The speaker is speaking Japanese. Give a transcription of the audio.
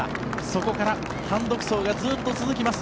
そこから単独走がずっと続きます。